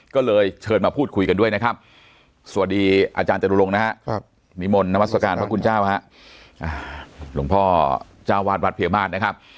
ก็เลยเชิญมาพูดคุยกันด้วยนะครับสวัสดีอาจารย์จตุลงจ้าวาดวัดเพียมหาดนะครับ